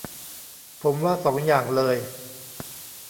ผมว่าสองอย่างเลย